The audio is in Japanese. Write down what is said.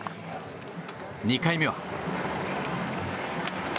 ２回目は。